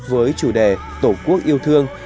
với chủ đề tổ quốc yêu thương